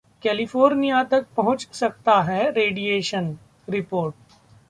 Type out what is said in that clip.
California तक पहुंच सकता है रेडिएशन: रिपोर्ट